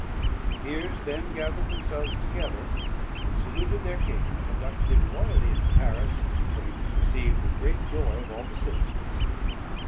The peers then gathered themselves together, and saluted their king, conducted him royally into Paris, where he was received with great joy of all the citizens.